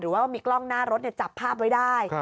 ว่ามีกล้องหน้ารถจับภาพไว้ได้